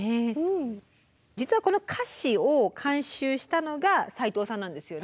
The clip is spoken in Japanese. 実はこの歌詞を監修したのが斎藤さんなんですよね。